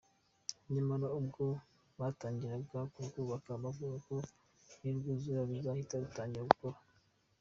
Nyamara ubwo batangiraga kurwubaka bavugaga ko nirwuzura ruzahita rutangira gukora.